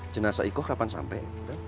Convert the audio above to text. jenasa ikoh kapan sampai